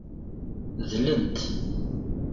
Dlent.